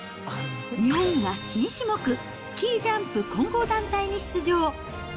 日本は新種目、スキージャンプ混合団体に出場。